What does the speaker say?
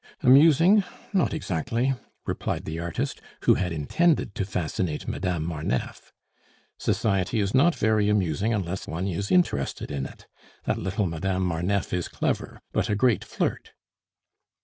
"Amusing? not exactly," replied the artist, who had intended to fascinate Madame Marneffe. "Society is not very amusing unless one is interested in it. That little Madame Marneffe is clever, but a great flirt."